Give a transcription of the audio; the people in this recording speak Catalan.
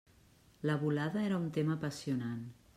La volada era un tema apassionant.